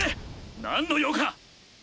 何の用か！